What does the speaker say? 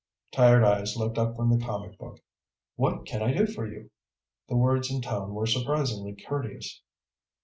Tired eyes looked up from the comic book. "What can I do for you?" The words and tone were surprisingly courteous.